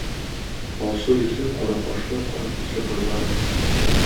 Алсу йөзле, кара кашлы, кара күзле кызларын.